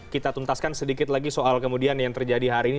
kita tuntaskan sedikit lagi soal kemudian yang terjadi hari ini